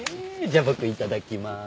じゃあ僕いただきまーす。